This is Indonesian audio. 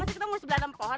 masih ketemu sebelahan pohon